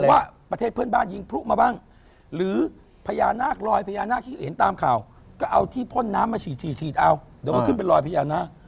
ว่าประเทศเพื่อนบ้านยิงพลุมาบ้างหรือพญานาคลอยพญานาคที่เห็นตามข่าวก็เอาที่พ่นน้ำมาฉีดฉีดเอาเดี๋ยวมันขึ้นเป็นรอยพญานาค